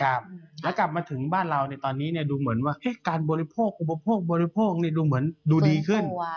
แล้วกลับมาถึงบ้านเราในตอนนี้ดูเหมือนว่าการบริโภคอุปโภคบริโภคดูเหมือนดูดีขึ้น